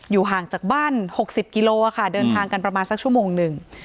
ห่างจากบ้าน๖๐กิโลค่ะเดินทางกันประมาณสักชั่วโมงหนึ่ง